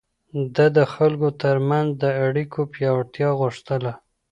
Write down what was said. ده د خلکو ترمنځ د اړيکو پياوړتيا غوښتله.